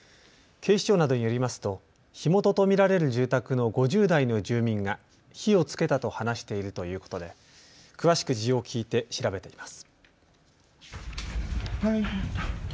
警視庁などによりますと火元と見られる住宅の５０代の住民が火をつけたと話しているということで詳しく事情を聞いて調べています。